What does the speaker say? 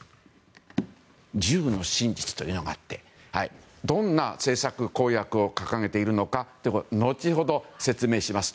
「１０の真実」というのがあってどんな政策、公約を掲げているのか後ほど説明します。